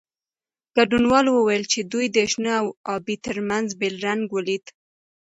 ګډونوالو وویل چې دوی د شنه او ابي ترمنځ بېل رنګ ولید.